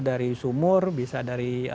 dari sumur bisa dari